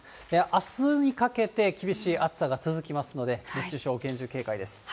あすにかけて厳しい暑さが続きますので、熱中症、厳重警戒です。